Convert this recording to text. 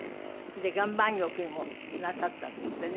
で岩盤浴もなさったんですってね。